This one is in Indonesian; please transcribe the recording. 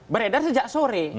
beredar sejak sore